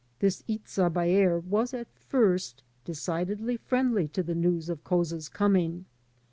This Itza Baer was at first decidedly friendly to the news of Couza's coming.